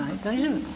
大丈夫？